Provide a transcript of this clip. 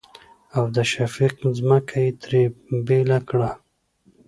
او د شفيق ځمکه يې ترې بيله کړه.